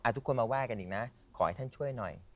ทุกคนมาไห้กันอีกนะขอให้ท่านช่วยหน่อย